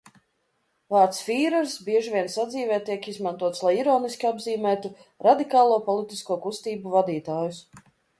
"Vārds "fīrers" bieži vien sadzīvē tiek izmantots, lai ironiski apzīmētu radikālo politisko kustību vadītājus."